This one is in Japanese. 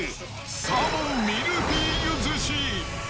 サーモンミルフィーユ寿司。